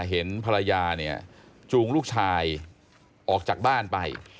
เห็นภรรยาเนี่ยจูงลูกชายออกจากบ้านไป